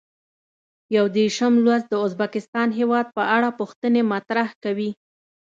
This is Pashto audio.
یو دېرشم لوست د ازبکستان هېواد په اړه پوښتنې مطرح کوي.